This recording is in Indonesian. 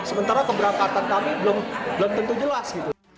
sementara keberangkatan kami belum tentu jelas